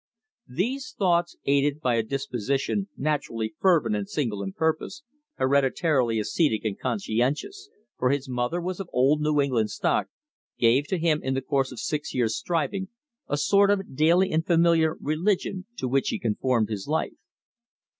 These thoughts, aided by a disposition naturally fervent and single in purpose, hereditarily ascetic and conscientious for his mother was of old New England stock gave to him in the course of six years' striving a sort of daily and familiar religion to which he conformed his life.